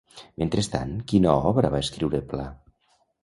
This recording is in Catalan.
Mentrestant, quina obra va escriure Pla?